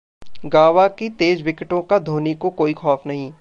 गाबा की तेज विकेटों का धोनी को कोई खौफ नहीं